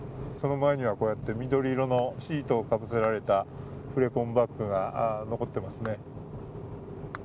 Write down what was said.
その前には緑色のシートをかぶせられたフレコンバッグが残っていますね。